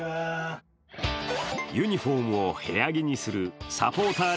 ユニフォームを部屋着にするサポーター